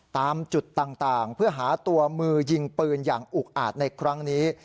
ตามจุดต่างเพื่อหาตัวมือยิงปืนอย่างอุกอาจในครั้งนี้